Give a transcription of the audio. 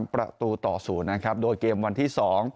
ประตูต่อ๐นะครับโดยเกมวันที่๒